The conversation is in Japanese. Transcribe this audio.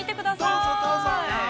◆どうぞどうぞ。